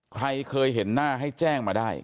ใครเคยเห็นหน้าให้แจ้งมาได้